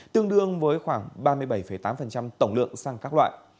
tương đương với khoảng ba mươi bảy tám tổng lượng xăng các loại